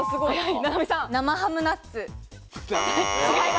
生ハムナッツ。